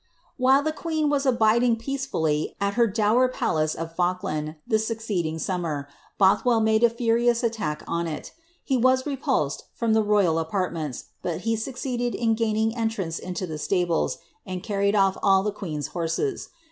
While the qu en was abiding peaceably al her dower palace of Falk land, ihe evr^ ling summer. Bothwell made a furioUH atlack on il ; he vnf repulse m the royal apariments, bul he succeeded in eaitiuif enirarice in' alaUes, and carried off all the queen'a horses.